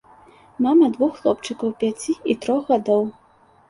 Мама двух хлопчыкаў пяці і трох гадоў.